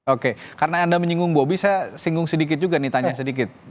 oke karena anda menyinggung bobby saya singgung sedikit juga nih tanya sedikit